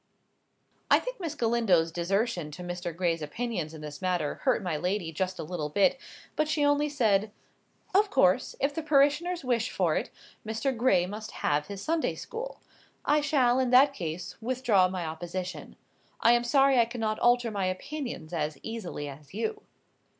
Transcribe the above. I think Miss Galindo's desertion to Mr. Gray's opinions in this matter hurt my lady just a little bit; but she only said— "Of course, if the parishoners wish for it, Mr. Gray must have his Sunday school. I shall, in that case, withdraw my opposition. I am sorry I cannot alter my opinions as easily as you."